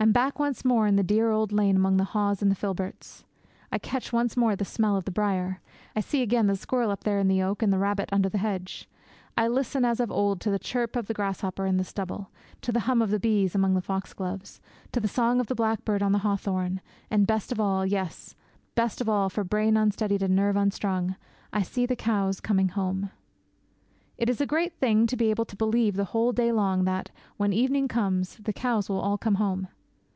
I am back once more in the dear old lane among the haws and the filberts. I catch once more the smell of the brier. I see again the squirrel up there in the oak and the rabbit under the hedge. I listen as of old to the chirp of the grasshopper in the stubble, to the hum of the bees among the foxgloves, to the song of the blackbird on the hawthorn, and, best of all yes, best of all for brain unsteadied and nerve unstrung I see the cows coming home. It is a great thing to be able to believe the whole day long that, when evening comes, the cows will all come home.